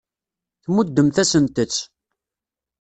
Tmuddemt-asent-tt.